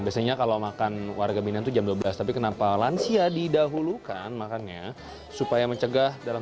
biasanya kalau makan warga binaan itu jam dua belas tapi kenapa lansia didahulukan makannya supaya mencegah dalam